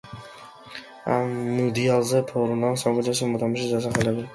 ამ მუნდიალზე ფორლანს საუკეთესო მოთამაშედ ასახელებენ.